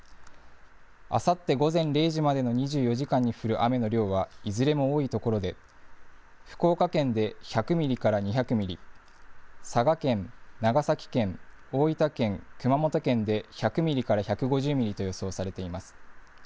あさって午前０時までの２４時間に降る雨の量は、いずれも多い所で、福岡県で１００ミリから２００ミリ、佐賀県、長崎県、大分県、熊本県で１００ミリから１５０ミリと予想されています。